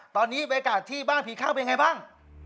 ตอนนี้อากาศที่บ้านผีคลั่งเป็นอย่างไรบ้าง